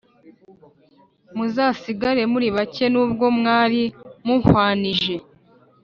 Muzasigara muri bake nubwo mwari muhwanije